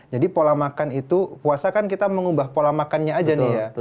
jadi pola makan itu puasa kan kita mengubah pola makannya aja nih ya